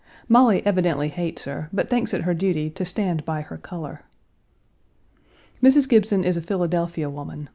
Molly evidently hates her, but thinks it her duty "to stand by her color." Mrs. Gibson is a Philadelphia woman.